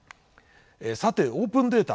さてオープンデータ